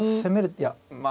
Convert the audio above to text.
いやまあ